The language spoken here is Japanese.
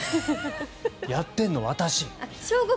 やってるの私。